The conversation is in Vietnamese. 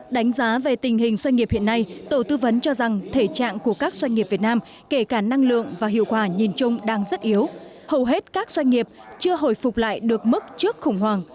đánh giá về tình hình doanh nghiệp hiện nay tổ tư vấn cho rằng thể trạng của các doanh nghiệp việt nam kể cả năng lượng và hiệu quả nhìn chung đang rất yếu hầu hết các doanh nghiệp chưa hồi phục lại được mức trước khủng hoảng